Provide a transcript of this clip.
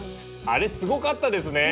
あれすごかったですね！